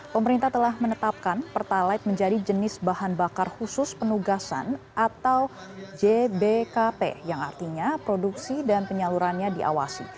pemerintah telah menetapkan pertalite menjadi jenis bahan bakar khusus penugasan atau jbkp yang artinya produksi dan penyalurannya diawasi